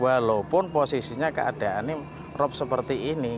walaupun posisinya keadaannya rob seperti ini